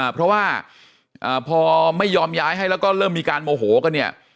เพราะว่าพอไม่ยอมย้ายให้แล้วก็เริ่มมีการโมโหกันเนี่ย